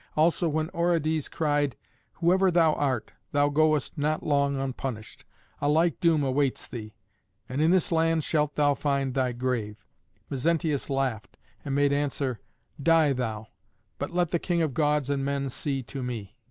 Also when Orodes cried, "Whoever thou art, thou goest not long unpunished: a like doom awaits thee; and in this land shalt thou find thy grave," Mezentius laughed, and made answer, "Die thou, but let the king of Gods and men see to me."